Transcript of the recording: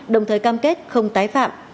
đồng thời cam kết không tái phạm